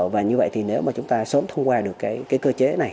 và như vậy thì nếu mà chúng ta sớm thông qua được cái cơ chế này